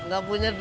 gak punya duit ya